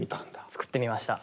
作ってみました。